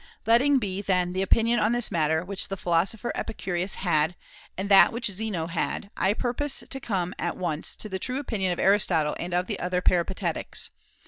Letting be, then, the opinion on this matter which the philosopher Epicurus had, and that which Zeno had, I purpose to come at once to the true opinion of Aristotle and of the other Peripatetics.